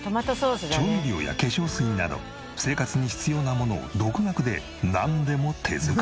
調味料や化粧水など生活に必要なものを独学でなんでも手作り。